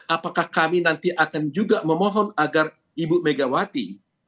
apakah kami nanti akan juga memohon agar ibu megawati